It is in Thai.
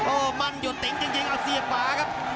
โอ้มั่นยนต์จริงอาเซียฝาครับ